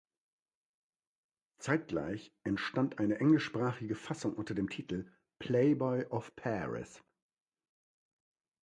Zeitgleich entstand eine englischsprachige Fassung unter dem Titel "Playboy of Paris".